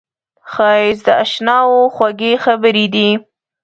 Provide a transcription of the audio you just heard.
ښایست د اشناوو خوږې خبرې دي